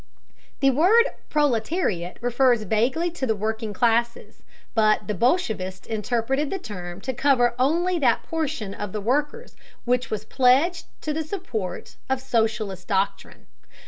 The word proletariat refers vaguely to the working classes, but the bolshevists interpreted the term to cover only that portion of the workers which was pledged to the support of socialist doctrine.